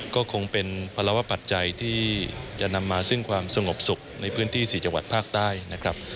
ก็คงเป็นภาวะปัจจัยที่จะนำมาซึ่งความสงบสุขในพื้นที่๔จังหวัดภาคใต้นะครับ